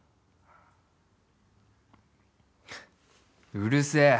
うるせぇ